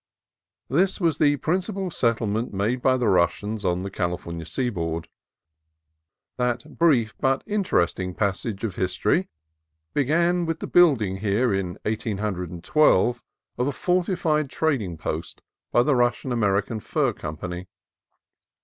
This was the principal set tlement made by the Russians on the California sea board. That brief but interesting passage of history began with the building here, in 1812, of a fortified trading post by the Russian American Fur Company.